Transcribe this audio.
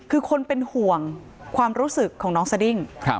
คือคนเป็นห่วงความรู้สึกของน้องสดิ้ง